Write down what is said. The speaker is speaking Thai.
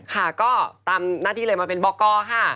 ค่ะก็ตามหน้าที่เลยมาเป็นบอกกค่ะ